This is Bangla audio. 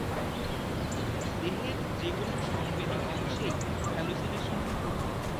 দেহের যেকোনো সংবেদী অংশেই হ্যালোসিনেশন ঘটতে পারে।